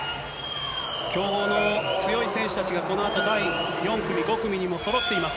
強豪の強い選手たちがこのあと第４組、５組にもそろっています。